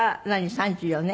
３４年？